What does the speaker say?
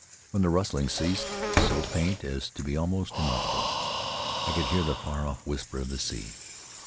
When the rustling ceased — so faint as to be almost inaudible — I could hear the far off whisper of the sea.